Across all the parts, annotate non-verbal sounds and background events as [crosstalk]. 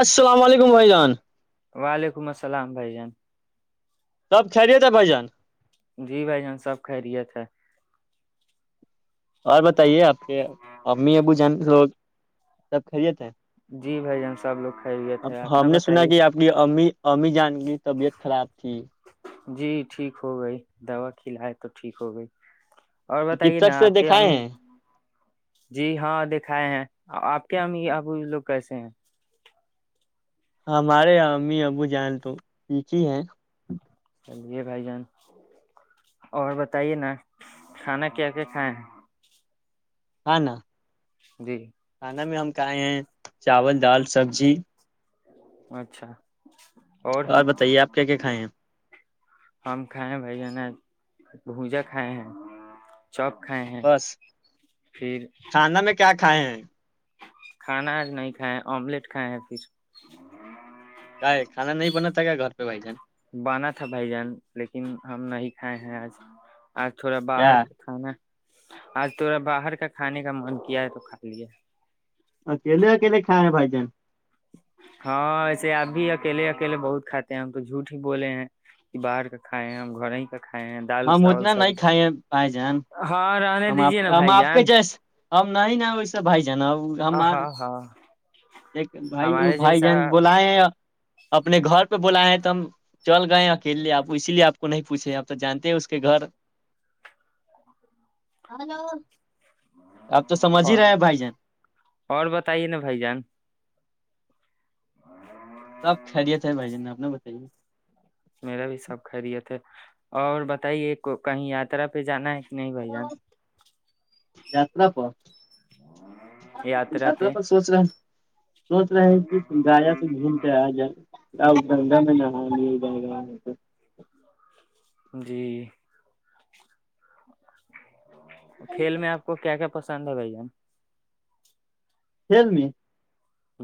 السلام علیکم بھائی جان وعلیکم السلام بھائی جان سب خریی تھا ہے بھ جان جی بھائی جان سب خرییے تھے اور بتائیے آپ کے امی ابو جان لوگ سب خھریےتے ہیں جی بھائی جان سب لوگ خیریت اب ہے آپ نہ ہم نے سنا بتائیے کہ آپ کی ا امی جان کی طبیعت خراب تھی جی ٹھیک ہو گئی دوا کھلائے تو ٹھیک ہو گئی اور بتائیے چکسک نا سے آپ کے دیکھائے امی ہیں جی ہاں دکھائے ہیں آپ کے ہم اب لوگ کیسے ہیں ہمارے امی ابو جان تو یک ہی ہے چلیے بھائی جان اور بتائیے نا کھانا کیا کیا کھائے ہیں ہ ن جی کنا میں ہم کاہے چاول دال سبزی اچھا اور بتائیے آپ کیا کیا کھائے ہیں ہم کا ہئیں بھائی نہ بھوجا کھائے ہیں چوپ کھائے ہیں بس پھر کھانا میں کیا کھائے ہیں کھانا آج نہیں کھاائے ہیں آملیٹ کھائے ہیں پھر کاے کھانا نہیں بناتھا کیا گھر پہ بھای جان بنا تھا بھائی جان لیکن ہم نہیں کھائے ہیں آج آج تھوڑا کیا باہر کھانا آج تھورا باہر کا کھانے کا من کیا ہے تو کھا لی اکیلے اکیلے کھای ہیں بائی جان ہاں ایسے آپ بھی اکیے اکیلے بہت کھاتے ہیں ہم تو جھوٹ ہی بولے ہیں کہ باہر کا کھائے ہیں ہم گھر ک ہم اتنا نہیں کھائے ہیں بھای جان ہاں رہنے ہم آپ دیجیے نا ہم بھائی آپ کے جان جیس ہم نہیں ن ویسے بائی جان جناب ہم اپ ہاں ہاں بھائی ہمارے بھائی جیسا جان بلائے ہیں اپنے گھر پہ بولا ہے تو ہم چل گئے ہیں اکیلے آپ اسی لیے آپ کو نہیں پوچھے آپ تو جانتے ہیں اس کے گھر ہلو اور اور بتائیے نا بھائی جان سب خیریت ہے بھائی جان آنا بتائیے میرا بھی سب خیریت ہے اور بتائیے کہیں یاترا پہ جانا ہے کہ نہیں بھائی جان یاترا پر یاترا پر سوچ رہے سوچ رہے کہ گایا تو گھوم کے آجاے آ گھندا میں نہانے ہی جارہا ادر جی [unintelligible] کھیل میں آپ کو کیا کیا پسند ہیں باییا کھیل میں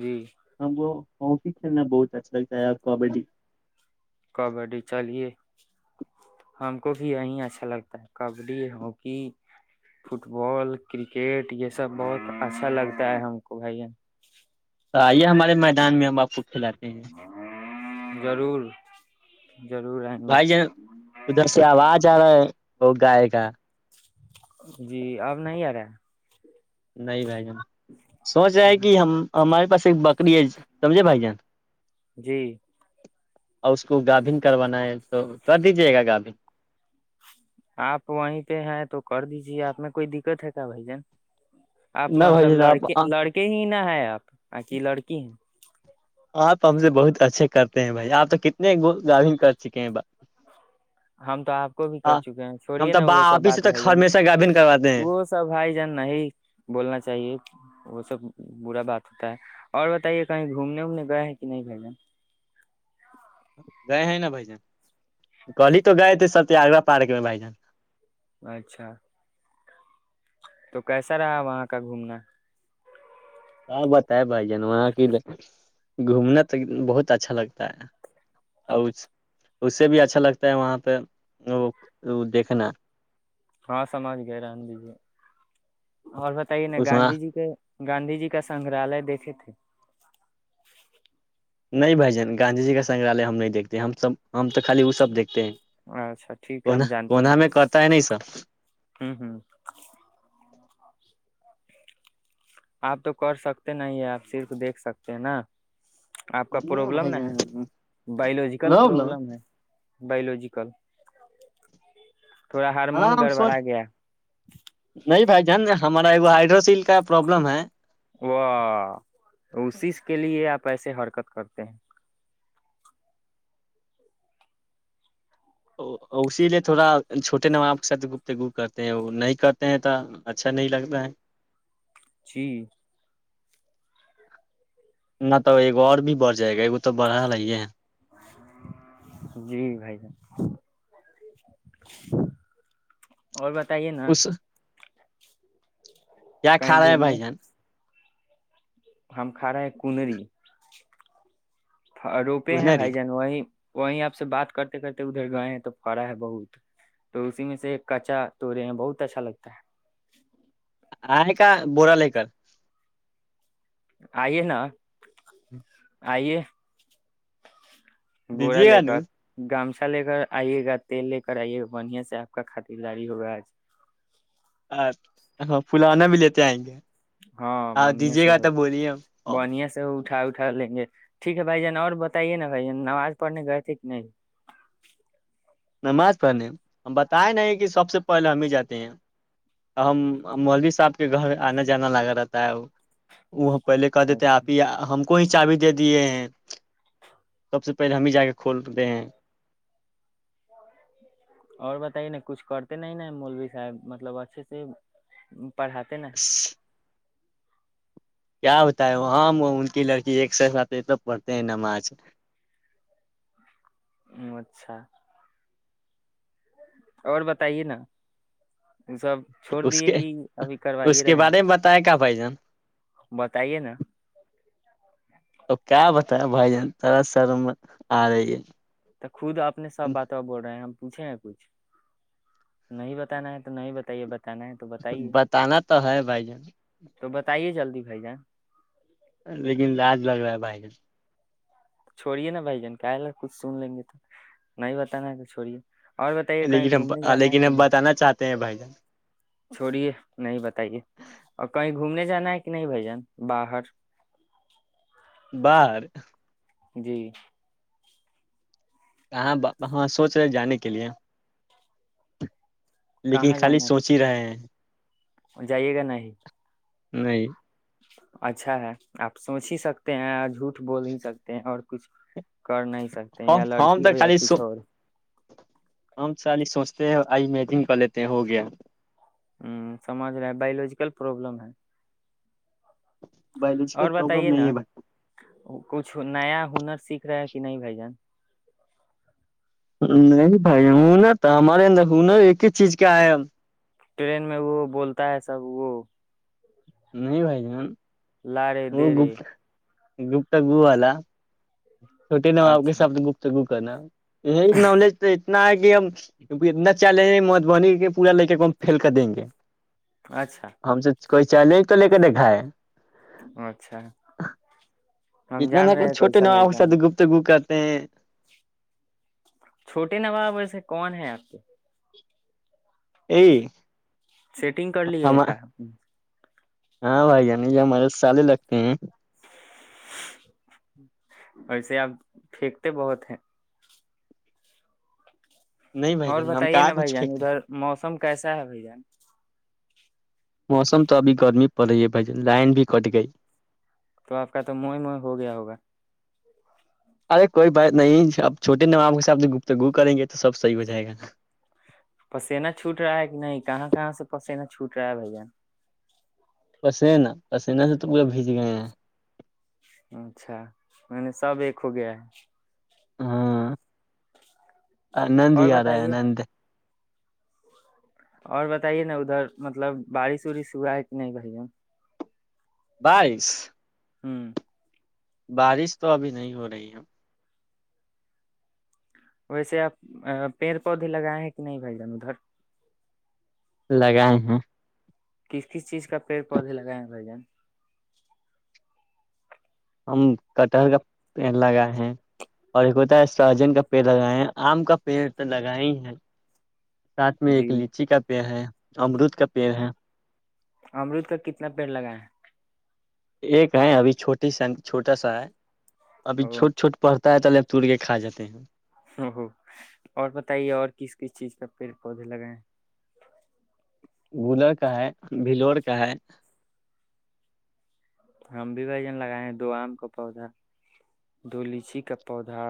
جی ہمیں ہاکی کھیلنا بہت اچھا لگتا ہے آپ کو کبڈی کبڈی چلیے ہم کو بھی یہیی اچھا لگتا ہے kabaddi hockey football cricket یہ سب بہت اچھا لگتا ہیں کو بھائی آئیے ہمارے میدان میں ہم آپ کو کھلاتے ہیں ضرور ضرور آئیں گے بھائی جان ادھر سے آواز آ رہا ہے وہ گائے کا جی اب نہیں آ رہے ہے نہیں بھائی جان سوچ رہا ہے کہ ہم ہمارے پس ایک بکری ہےج سمجھے بھائی جان جی اور اس کو گابھن کروانا ہے تو کر دیجے گا گابھینگ آپ وہیں پہ ہیں تو کر دیجے آپ میں کوئی دقت ہے بھ جن آپ نہ بھائی مطلب جان لڑکے آپ لڑکے ہی نہ ہے آپ کی لڑکی ہیں آپ ہم سے بہت اچھے کرتے ہیں بھائی آپ تو کتنے گ گاین کر چکے ہیں ب ہم تو آپ کو بھی کر چکے ہیں ہم چھوڑیے تو نا با وہ سب آپ ہی سے بات تک بھائی جان ہمیشہ گابھین کرواتے ہیں وہ سب بھائی جان نہیں بولنا چاہیے وہ سب برا بات ہوتا ہے اور بتائیے کہیں گھومنے وومنے گئے ہیں کہ نہیں بھیجے گئے ہیں نا بھ جان کہی تو گئے تھے س تارہ پارک میں بھ جان اچھا تو کیسا رہا وہاں کا گھومنا ہاں بتائے بھائی جان وہاں کی گھومنا تو بہت اچھا لگتا ہے اور اسے بھی اچھا لگتا ہے وہاں پہ وہ دیکھنا ہاں سمج گئے رن دیجے اور بتائیے نا اس میں گاندھی جی کے گاندھی جی کا سنگگررالیہ دیکھے تھے نہیں بھ جن گاندھی جی کا سنگگراہالیہ ہم نہیں دیکتے ہم سب ہم تو خالی وہ سب دیکھتے ہیں اچھا ٹھیک ہے ہم کونا جانتے ہیں کونا میں کرتا ہے نہیں سب ہوں ہ آپ تو کر سکتے ن ہے آپ صرف دیکھ سکتے ہیں نا آپ کا ہاں پروابلم بھائی نا ہے جان بایولوجیکل لو لو پرابلم ہے بی لوجیکل ہاں سو نہیں بھائی جان ہمارے ہائڈروسل کا پرابلم ہے وہ اسی کے لیے آپ ایسے حرکت کرتے ہیں اسی لیے تھوڑا چھوٹے نواب ساتھ گپتگو کرتے ہیں وہ نہیں کرتے ہیں تو اچھا نہیں لگتا ہے جی نہ تو ایک اور بھی بڑھ جائے گا ایک تو بڑھا لگ ہی ہے جی بھائی ج اور بتائیے نا اس کیا کھا کہیں رہا ہے گھومنے بھائی جان ہم کھا رہے ہیں کنری روپے ہیں ری بھائی جان وہی وہی آپ سے بات کرتے کرتے ادھر گئے ہیں تو پڑا ہے بہت تو اسی میں سے کچا تو رہے ہیں بہت اچھا لگتا ہے ہے کا بوورا ل کرر آئیے نا آئیے بورا دیجیے ل گا کرا ن گام نشا لے کر آئیے گا تیل لے کر آئیے گا بڑھیا سے آپ کا خاطرداری ہوگا آج ا ہاں پلانا بھی لیتے آئیں گے ہاں آپ بنیا دیجیے سے گا ہوئے تو بولیے ہم بڑیا سے ہو اٹھا اٹھا لیں گے ٹھیک ہے بھائی جان اور بتائیے نا بھائی ج نماز پڑھنے گئے تھے کہ نہیں نماز پڑھنے ہم بتائے نہیں کہ سب سے پہلے ہم ہی جاتے ہیں ہم مولوی صاحب کے گھر آنا جانا لگا رہتا ہے وہ پہلے کہ دیتے ہیں اچھا آپ ہی ہم کو چا بھی دے دیے ہیں سب سے پہلے ہمیں جا کے کھولتےے ہیں اور بتائیے نا کچھ کرتے نہیں نا مولوی صاحب مطلب اچھے سے پڑھاتے نا کیا بتا ہے وہ ہماں ان کی لڑکی ایک ساتھات تو پڑھتے ہیں نماز ہم، اچھا اور بتائیے نا سب چھوڑ اس دیے کے کہ ابھی کروائیے رہے ہیں بائی جان بتائیے نا تو کیا بتایا بھائی جان ترا سر میں آ رہی ہے تو خود اپنے سب باتوں بول رہے ہیں ہم پوچھے نا کچھ نہیں بتانا ہے تو نہیں بتائیے ب بتانا تو ہے بھائی جان تو بتائیے جلدی بھائی جان لیکن رج لگ رہا ہے بھائی جن چھوڑیے نا بھائی جان کال کچھ سن لیں گے تو نہیں بتانا ہے کہ چھوڑیے اور بتائیے جان کہیں لیکن ہم گھومنے جانا ہے لیکن کہ ہم بتانا چاہتے ہیں بھائی جان نہیں چھوڑیے نہیں بتائیے اور کہیں گھومنے جانا کہ نہیں بائی جان باہر بار [unintelligible] جی کہاں ہاں سوچ رہے جانے کے لیے لیکن کہاں خالی جانا سوچ ہی رہے ہیں جائیے گا نہیں نہیں اچھا ہے آپ سوچ ہی سکتے ہیں جھوٹ بول ہی سکتے ہیں اور کچھ کر نہیں سکتے ہم یا ہم لڑکی تو ہو یا خالی کچھ سو- اور ہم چالی سوچتے ہیں آئی مجن کر لیتے ہیں ہو گیا ہ سماج میں باولوجیکل پرابلم ہے بایولوجیکل اور پرابلم بتائیے نہیں نا ہے کچھ نیا ہنر سیکھ رہ کہ نہیں بائی جان نہیں بھائی ہ نا تو ہمارے اندر ہنا ایک ہی چیز کیا ہے ٹرین میں وہ بولتا ہے سب وہ نہیں بھائی جان لارے دیرے گپٹا گوو والا چھوٹے نواب کے ساتھ اچھا گپت گپ کا [unintelligible] یہ نولج تو اتنا ہے کہ ہمک اتنا چیلنج مدھبنی کے پورا لے کر کو ہم فھیل کر دیں گے اچھا ہم سے کوئی چیلنج تو لے کے دیکھا ہے اچھا ہم اتنا جان رہے نطلب ہیں چھوٹے کیسا ن ہو لڑکا ساد ہے گپت گوپ کا پ [unintelligible] چھوٹے ن باب ویسے کون ہے آپ کے ا [inaudible] سیٹنگ ک لی ہے کا ہاں بھائی جنی یہ ہمارے سالے لگتے ہیں ویسے آپ پھینکتے بہت ہیں نہیں بھائی اور جان ہم بتائیے نا کہاں بھائی کچھ جان پھینکتے ادھر موسم کیسا ہے بھائی جان موسم تو ابھی گرمی پڑ رہی ہے بھائی جن لائن بھی کٹ گئی تو آپ کا تو موئی مو ہو گیا ہوگا ارے کوئی بات نہیں اب چھوٹے نمام کے سے گفتگو کریں گے تو سب صحیح ہو جائے گا نا پسینا چھوٹ رہا ہے کہ نہیں کہاں کہاں سے پسینا چھوٹ رہا ہے بھیا پسینہ پسینہ سے تو پورا بھیج گئے ہیں اچھا میں نے سب ایک ہو گیا ہے ہاں نند اور یاار ہے آ بتائیے نند اور بتائیے نا ادھر مطلب بارش وورش ہوا ہے کہ نہیں بھیا بائیس ہوں بارش تو ابھی نہیں ہو رہی ہے ویسے آپ پیڑ پودے لگائے ہیں کہ نہیں بھائی جن ادھر لگائے ہیں کس کس چیز کا پیڑ پودے لگائے ہیں بھائی جان ہم کٹہر کا پڑ لگائے ہیں اور ایک ہوتا ہے سرجن کا پیڑ لگائے آم کا پیڑ تو لگائے ہی ہے ساتھ میں ایک جی لیچی کا پی ہے امرود کا پیڑ ہے امرت کا کتنا پیڑ لگا ہے چ س چھوٹا سا ہے ابھی ہیں چھوٹ چھوٹ پڑھتا پتا ہے تلب تور کے کا جاتے ہیں ا اور بتائیے اور کس کس چیز کا پیڑ پودے لگائے گلر کا ہے بلور کا ہے ہم بھی بجن لگائے ہیں دو آم کا پودا دو لیچی کا پودا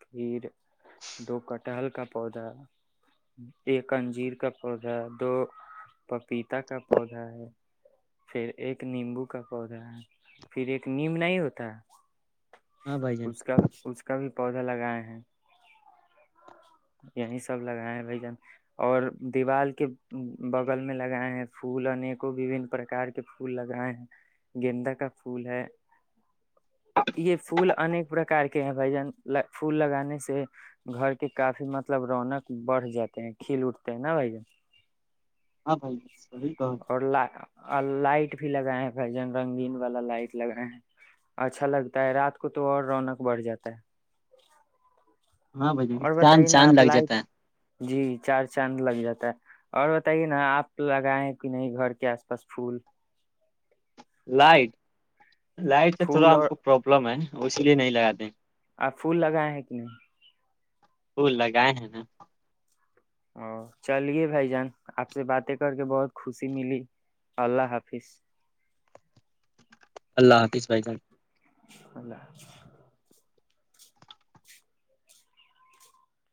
پھر دو کٹحل کا پودا ایک انجیر کا پودا دو پپیتا کا پودا ہے پھر ایک نیمبو کا پودا پھر ایک نیم نہیں ہوتا ہاں بھائی جان اس کا اس کا پودا لگائے ہیں یہی سب لگائے ہیں بھ جان اور دیوال کے بغل میں لگائے ہیں پھول ایکوں وبن پرکار کے پھول لگائے ہیں گیندا کا پھول ہے یہ پھول انیک پرکار کے ہیں بھ جان پھول لگانے سے گھر کے کافی مطلب رونق بڑھ جاتے ہیں کھل اٹھتے ہیں نا بھائی جن ہاں بھائیی کہو اور لائٹ بھی لگائے بھجن رنگین والا لائٹ لگ رہے ہیں اچھا لگتا ہے رات کو تو اور رونق بڑھ جاتا ہے ہاں بھائی اور چاند بتائیے نا چاند آپ لگ لائٹ جاتا ہے جی چار چاند لگ جاتا ہے اور بتائیے نا آپ لگائیں کہ نہیں گھر کے آس پاس پھول لائٹ لائٹ سے پھول تھوڑا ہم اور کو پروابلم ہے اسی لیے نہیں جگاتے ہیں آپ پھول لگائے ہیں کہ نہیں وہ لگائے ہیں نا ا چلیے بھائی جان آپ سے باتیں کر کے بہت خوشی ملی اللہ حافظ اللہ حافظ بھائی ج بلہ [unintelligible]